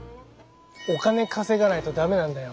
お金稼がないと駄目なんだよ。